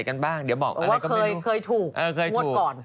เคยถูตรวจก่อน